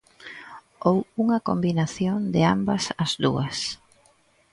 Ou unha combinación de ambas as dúas.